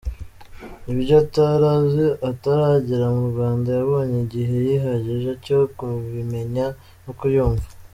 Ibyo atari azi ataragera mu Rwanda yabonye igihe gihagije cyo kubimenya no kuyumva.